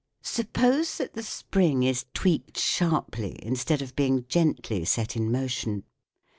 SOUND IN MUSIC 53 spring is tweaked sharply instead of being gently set in motion.